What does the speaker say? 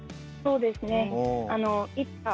そうですね。